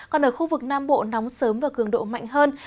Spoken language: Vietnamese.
còn ở khu vực nam bộ nóng sớm và cường độ mạnh hơn